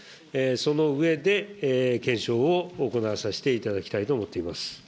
その上で、検証を行わせていただきたいと思っています。